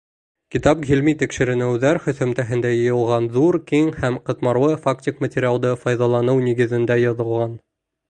Китап ғилми-тикшеренеүҙәр һөҫөмтәһендә йыйылған ҙур, киң һәм ҡатмарлы фактик материалды файҙаланыу нигеҙендә яҙылған.